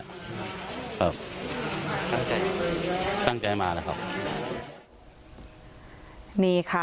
ตั้งใจมาตั้งใจมานี่คะ